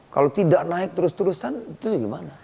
kalau tidak naik terus terusan itu gimana